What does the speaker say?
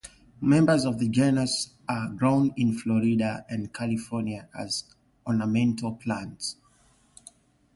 Members of the genus are grown in Florida and California as ornamental plants.